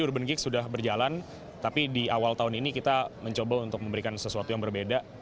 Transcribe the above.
urban kick sudah berjalan tapi di awal tahun ini kita mencoba untuk memberikan sesuatu yang berbeda